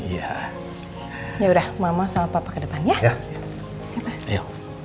yaudah mama sama papa ke depan ya